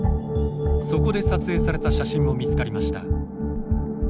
そこで撮影された写真も見つかりました。